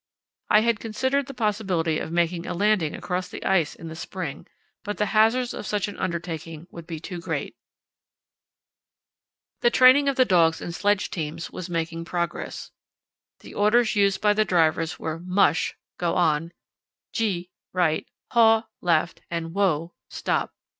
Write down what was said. I had considered the possibility of making a landing across the ice in the spring, but the hazards of such an undertaking would be too great. The training of the dogs in sledge teams was making progress. The orders used by the drivers were "Mush" (Go on), "Gee" (Right), "Haw" (Left), and "Whoa" (Stop).